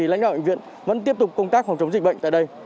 lãnh đạo bệnh viện vẫn tiếp tục công tác phòng chống dịch bệnh